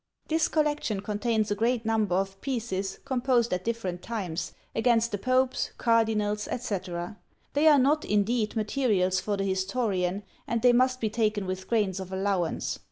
This collection contains a great number of pieces composed at different times, against the popes, cardinals, &c. They are not, indeed, materials for the historian, and they must be taken with grains of allowance.